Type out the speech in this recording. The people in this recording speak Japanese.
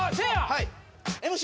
はいＭＣ